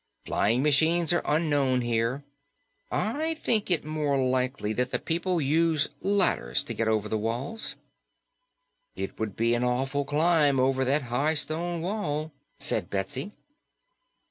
Flying machines are unknown here. I think it more likely that the people use ladders to get over the walls." "It would be an awful climb over that high stone wall," said Betsy.